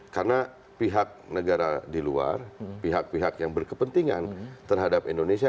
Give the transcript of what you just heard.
karena pihak negara di luar pihak pihak yang berkepentingan terhadap indonesia